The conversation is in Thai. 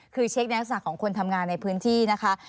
คือเช็คในลักษณะของคนทำงานในพื้นที่นะคะ